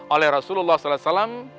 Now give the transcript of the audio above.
oleh rasulullah saw